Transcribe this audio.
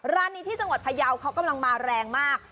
ร้านนี้ที่จังหวัดพยาวเขากำลังมาแรงมาก